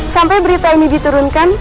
sampai berita ini diturunkan